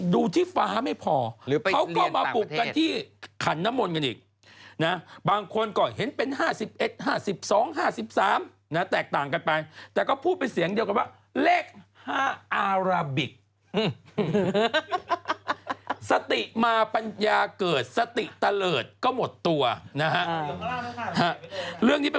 ดูเลขคู่หมดเลย